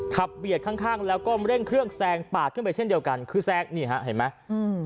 เบียดข้างข้างแล้วก็เร่งเครื่องแซงปากขึ้นไปเช่นเดียวกันคือแซงนี่ฮะเห็นไหมอืม